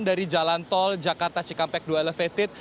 dari jalan tol jakarta cikampek dua elevated